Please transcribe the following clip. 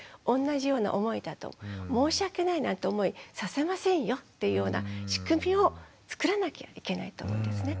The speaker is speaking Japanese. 申し訳ないなんて思いさせませんよっていうような仕組みを作らなきゃいけないと思うんですね。